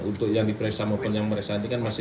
untuk yang diperiksa maupun yang mereksa